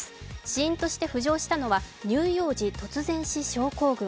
死因として浮上したのは乳幼児突然死症候群。